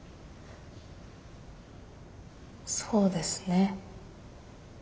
そうですね。